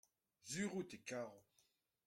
sur out e karo.